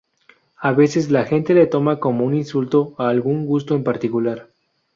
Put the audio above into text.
A veces, la gente lo toma como un insulto a algún gusto en particular.